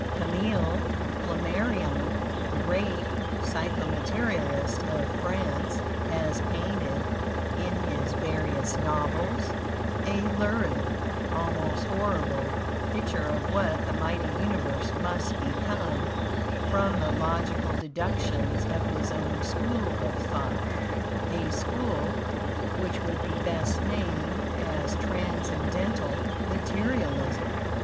Camille Flammarion, the great psychomaterialist of France, has painted, in his various novels, a lurid, almost horrible, picture of what the mighty universe must become from the logical deductions of his own school of thought; a school which would be best named as transcendental materialism.